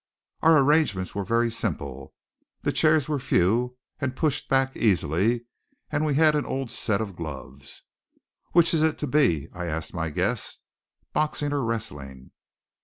Our arrangements were very simple; the chairs were few and pushed back easily, and we had an old set of gloves. "Which is it to be?" I asked my guest, "boxing or wrestling?"